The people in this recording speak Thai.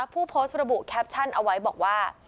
ผู้โพสต์ระบุแคปชั่นเอาไว้บอกว่า